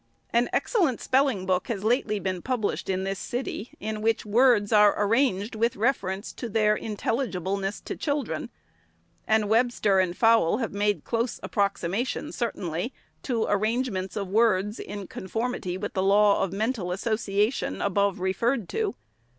An excellent spelling book has lately been published in this city, in which words are arranged with reference to their intelligibleness to children ; and Webster and Fowle have made close approximation, certainly, to ar rangements of words, in conformity with the law of men tal association, above referred to.